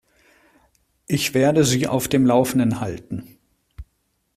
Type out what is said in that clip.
Ich werde Sie auf dem Laufenden halten.